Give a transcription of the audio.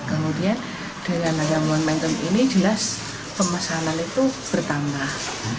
kemudian dengan ayam monmental ini jelas pemesanan itu bertambah